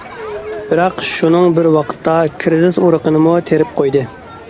بىراق شۇنىڭ بىر ۋاقىتتا كىرىزىس ئۇرۇقىنىمۇ تېرىپ قويدى.